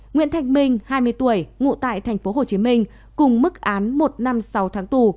nguyễn thanh minh hai mươi tuổi ngụ tại tp hcm cùng mức án một năm sáu tháng tù